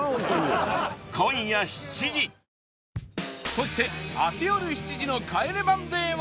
そして明日よる７時の『帰れマンデー』は